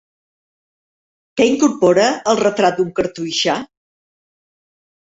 Què incorpora el Retrat d'un cartoixà?